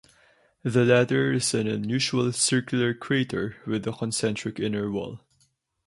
The latter is an unusual circular crater with a concentric inner wall.